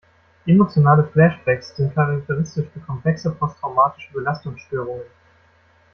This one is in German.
Emotionale Flashbacks sind charakteristisch für komplexe posttraumatische Belastungsstörungen.